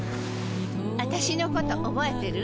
あたしのこと覚えてる？